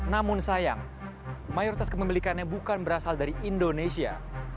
namun sayang mayoritas kepemilikannya bukan berasal dari indonesia